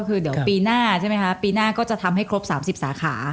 คือเดี๋ยวปีหน้าใช่ไหมคะปีหน้าก็จะทำให้ครบ๓๐สาขา